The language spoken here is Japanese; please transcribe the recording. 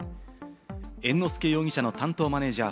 猿之助容疑者の担当マネージャー